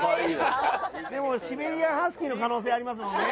でもシベリアンハスキーの可能性ありますもんね。